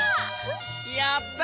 やったね！